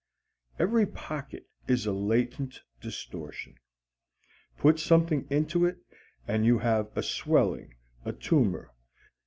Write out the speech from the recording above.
Every pocket is a latent distortion put something into it and you have a swelling, a tumor.